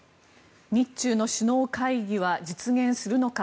日中の首脳会議は実現するのか。